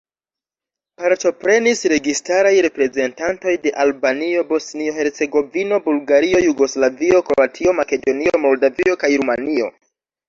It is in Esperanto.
Partoprenis registaraj reprezentantoj de Albanio, Bosnio-Hercegovino, Bulgario, Jugoslavio, Kroatio, Makedonio, Moldavio kaj Rumanio.